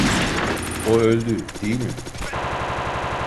O öldü, değil mi?